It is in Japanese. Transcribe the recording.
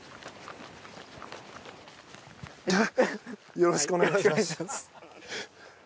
よろしくお願いします。